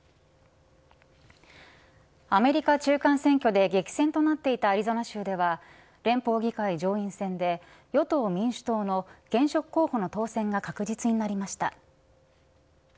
アメリカ中間選挙で激戦となっていたアリゾナ州では連邦議会上院選で与党民主党の現職候補の当選が確実になりました。